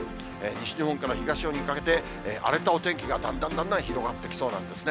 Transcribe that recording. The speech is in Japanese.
西日本から東日本にかけて、荒れたお天気がだんだんだんだん広がってきそうなんですね。